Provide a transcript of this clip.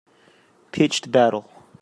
Pitched battle